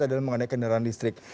adalah mengenai kendaraan listrik